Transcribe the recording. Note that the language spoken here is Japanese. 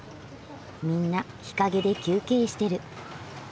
みんな日陰で休憩してる。